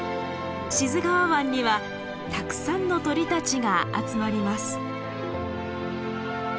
志津川湾にはたくさんの鳥たちが集まります。